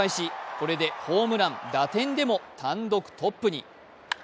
これでホームラン、打点でも単独トップに。